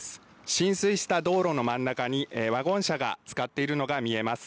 浸水した道路の真ん中に、ワゴン車がつかっているのが見えます。